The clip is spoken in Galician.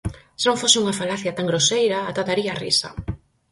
Se non fose unha falacia tan groseira, ata daría risa.